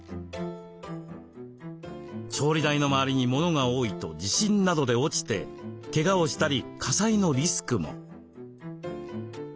調理台の周りに物が多いと地震などで落ちてけがをしたり火災のリスクも。